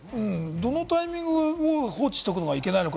どのタイミングまで、放置しとくといけないのか？